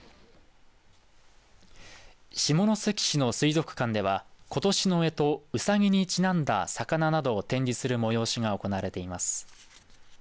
下関市の水族館ではことしのえと、うさぎにちなんだ魚などを展示する催しが行われています。